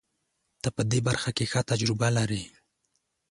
ته په دې برخه کې ښه تجربه لرې.